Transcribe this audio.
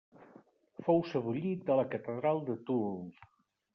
Fou sebollit a la catedral de Toul.